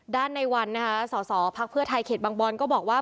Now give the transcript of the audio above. ด้านในวันสศพไทยเขตบางบอนก็บอกว่า